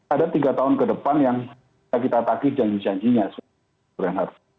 ada tiga tahun ke depan yang kita tagih janji janjinya sebenarnya